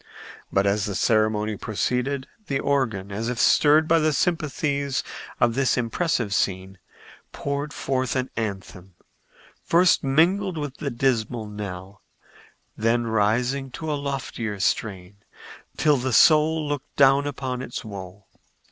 But as the ceremony proceeded, the organ, as if stirred by the sympathies of this impressive scene, poured forth an anthem, first mingling with the dismal knell, then rising to a loftier strain, till the soul looked down upon its woe.